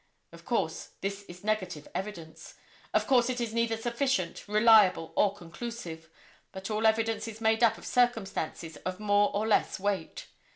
Of course, this is negative evidence. Of course it is neither sufficient, reliable or conclusive, but all evidence is made up of circumstances of more or less weight.